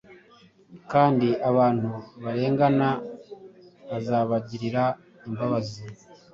kandi abantu barengana azabagirira imbabazi.